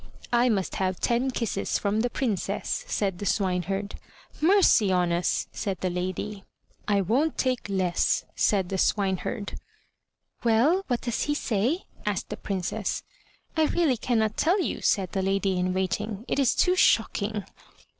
I must have ten kisses from the Princess," said the swineherd. "Mercy on us!" said the lady. "I won't take less," said the swineherd. "Well, what does he say?" asked the Princess. "I really cannot tell you," said the lady in waiting, "it is too shocking."